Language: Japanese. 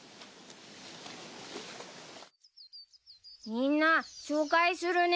みんな紹介するね。